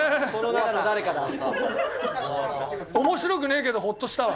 長嶋：面白くねえけどホッとしたわ。